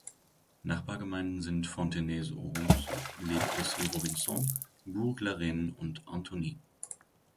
Nachbargemeinden sind Fontenay-aux-Roses, Le Plessis-Robinson, Bourg-la-Reine und Antony.